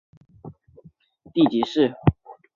池州市是中华人民共和国安徽省下辖的地级市。